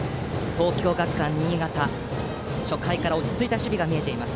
東京学館新潟、初回から落ち着いた守備が見えています。